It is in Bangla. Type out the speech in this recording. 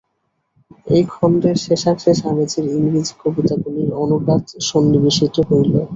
এই খণ্ডের শেষাংশে স্বামীজীর ইংরেজী কবিতাগুলির অনুবাদ সন্নিবেশিত হইল।